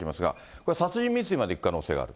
これ、殺人未遂までいく可能性がある。